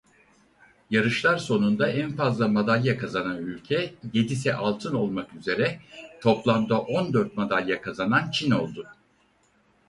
Yarışlar sonunda en fazla madalya kazanan ülke yedisi altın olmak üzere toplamda on dört madalya kazanan Çin oldu.